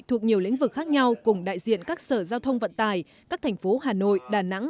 thuộc nhiều lĩnh vực khác nhau cùng đại diện các sở giao thông vận tải các thành phố hà nội đà nẵng